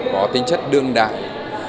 có tính chất đương đại